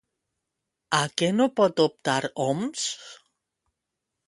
A què no pot optar Homs?